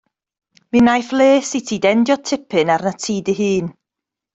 Mi wnaiff les i ti dendio tipyn arnat ti dy hun.